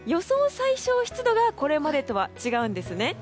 最小湿度がこれまでとは違うんですね。